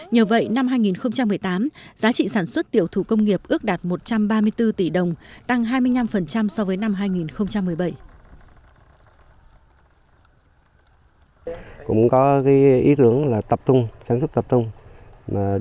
nhờ vậy năm hai nghìn một mươi tám giá trị sản xuất tiểu thủ công nghiệp ước đạt một trăm ba mươi bốn tỷ đồng tăng hai mươi năm so với năm hai nghìn một mươi bảy